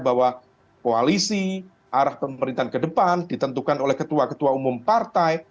bahwa koalisi arah pemerintahan ke depan ditentukan oleh ketua ketua umum partai